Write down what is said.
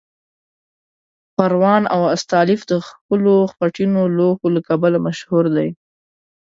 پروان او استالف د ښکلو خټینو لوښو له کبله مشهور دي.